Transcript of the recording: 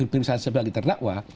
perbisaan sebagai terdakwa